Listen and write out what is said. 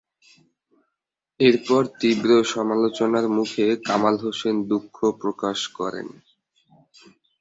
এরপর তীব্র সমালোচনার মুখে কামাল হোসেন দুঃখ প্রকাশ করেন।